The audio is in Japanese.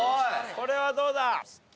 これはどうだ？